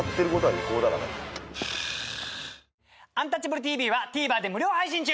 「アンタッチャブるＴＶ」はＴＶｅｒで無料配信中！